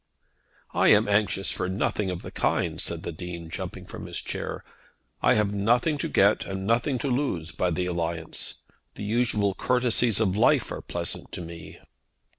"I am anxious for nothing of the kind," said the Dean, jumping up from his chair. "I have nothing to get and nothing to lose by the alliance. The usual courtesies of life are pleasant to me."